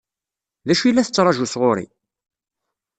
D acu i la tettṛaǧu sɣur-i?